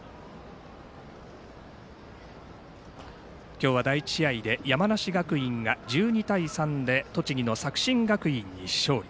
今日は第１試合で山梨学院が１２対３で栃木の作新学院に勝利。